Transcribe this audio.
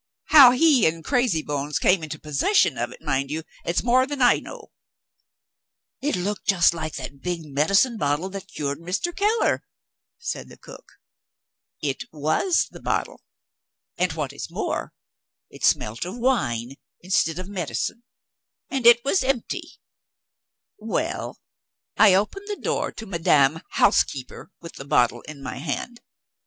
How he and Crazybrains came into possession of it, mind you, is more than I know." "It looked just like the big medicine bottle that cured Mr. Keller," said the cook. "It was the bottle; and, what is more, it smelt of wine, instead of medicine, and it was empty. Well, I opened the door to Madame Housekeeper, with the bottle in my hand.